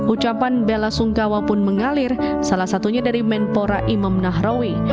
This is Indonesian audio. ucapan bela sungkawa pun mengalir salah satunya dari menpora imam nahrawi